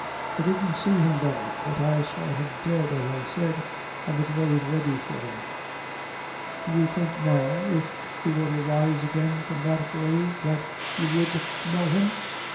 "I didn't see him buried, but I saw him dead, as I said, an' the grave ready for him." "Do you think now if he were to rise again from that grave, that you would know him?"